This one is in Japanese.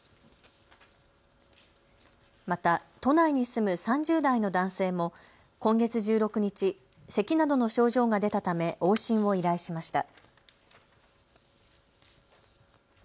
また都内に住む３０代の男性も今月１６日、せきなどの症状が出たため往診を依頼しました。